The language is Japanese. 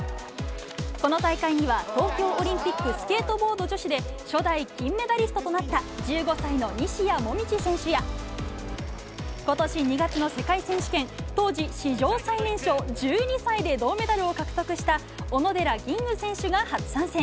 この大会には東京オリンピックスケートボード女子で初代金メダリストとなった１５歳の西矢椛選手や、ことし２月の世界選手権、当時、史上最年少、１２歳で銅メダルを獲得した小野寺吟雲選手が初参戦。